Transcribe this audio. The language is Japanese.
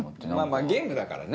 ゲームだからね。